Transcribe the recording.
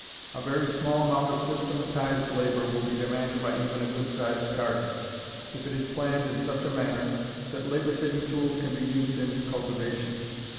A very small amount of systematized labor will be demanded by even a good sized garden, if it is planned in such a manner that labor saving tools can be used in its cultivation.